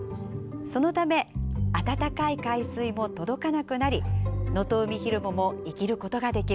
そのため暖かい海水も届かなくなりノトウミヒルモも生きることができるんです。